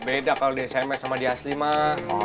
beda kalau sama di aslimah